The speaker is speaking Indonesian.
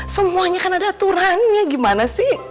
semuanya kan ada aturannya gimana sih